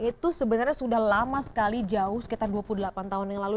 itu sebenarnya sudah lama sekali jauh sekitar dua puluh delapan tahun yang lalu